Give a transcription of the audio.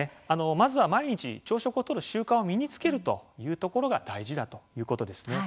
まずは毎日、朝食をとる習慣を身につけるというところが大事だということですね。